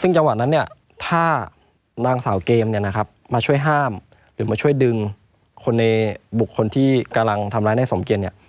ซึ่งจังหวะนั้นเนี่ยถ้านางสาวเกมเนี่ยนะครับมาช่วยห้ามหรือมาช่วยดึงคนในบุคคลที่กำลังทำร้ายนายสมเกียจเนี่ย